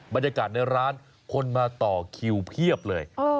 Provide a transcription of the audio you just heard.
บรรยากาศในร้านคนมาต่อคิวเพียบเลย